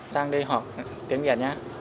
sang đây học tiếng việt nhá